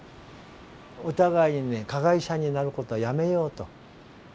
お互いに加害者になることはやめようと。